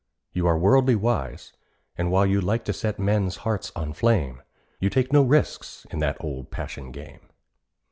You are worldly wise, And while you like to set men's hearts on flame, You take no risks in that old passion game.